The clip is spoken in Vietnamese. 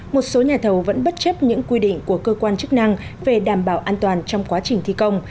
một số nhà thầu vẫn bất chấp những quy định của cơ quan chức năng về đảm bảo an toàn trong quá trình thi công